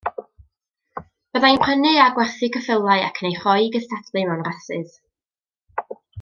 Byddai'n prynu a gwerthu ceffylau ac yn eu rhoi i gystadlu mewn rasys.